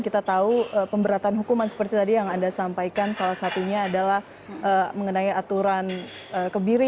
dan kita tahu pemberatan hukuman seperti tadi yang anda sampaikan salah satunya adalah mengenai aturan kebiri